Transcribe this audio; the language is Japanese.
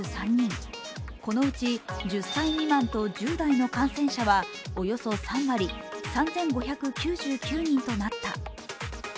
このうち１０歳未満と１０代の感染者はおよそ３割、３５９９人となった。